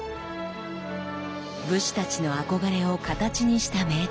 武士たちの憧れを形にした名刀。